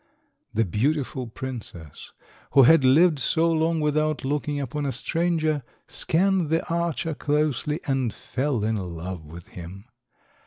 The beautiful princess, who had lived so long without looking upon a stranger, scanned the archer closely, and fell in love with him.